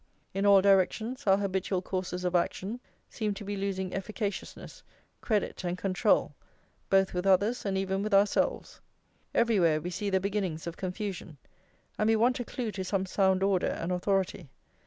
In all directions our habitual courses of action seem to be losing efficaciousness, credit, and control, both with others and even with ourselves; everywhere we see the beginnings of confusion, and we want a clue to some sound order and authority.